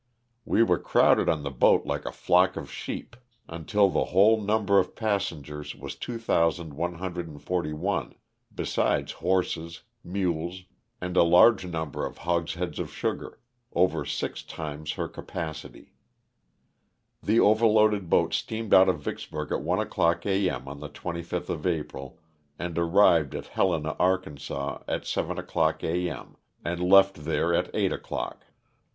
We were crowded on the boat like a flock of sheep until the whole num LOSS OF THE SULTANA. 135 berof passengers was 2,141, besides horses, mules and a large number of hogsheads of sugar ; over six times her capacity. The overloaded boat steamed out of Vicks burg at one o'clock A. m., on the 25th of April and arrived at Helena, Ark., at seven o'clock a. m., and left there at eight o'clock.